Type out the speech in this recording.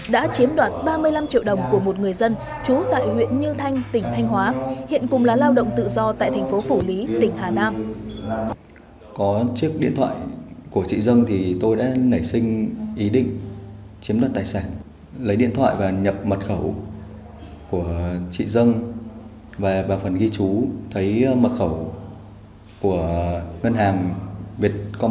đã chiếm đoạt ba mươi năm triệu đồng của một người dân trú tại huyện như thanh tỉnh thanh hóa hiện cùng là lao động tự do tại thành phố phủ lý tỉnh hà nam